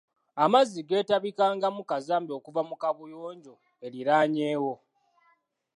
Amazzi geetabikangamu kazambi okuva mu kaabuyonjo eriraanyeewo.